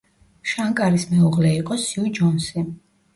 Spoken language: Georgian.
შანკარის მეუღლე იყო სიუ ჯონსი.